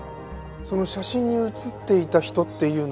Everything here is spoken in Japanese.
その写真に写っていた人っていうのは？